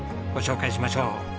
ご紹介しましょう。